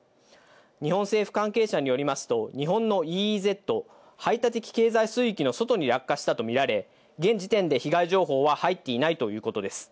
日本政府関係者によりますと、日本のＥＥＺ・排他的経済水域の外に落下したと見られ、現時点で被害情報は入っていないということです。